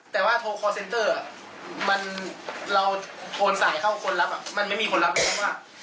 แต่ว่าโทรคอร์เซ็นเตอร์มันเราโดนสายเข้าคนรับมันไม่มีคนรับมาก